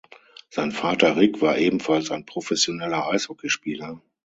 Sein Vater Rick war ebenfalls ein professioneller Eishockeyspieler.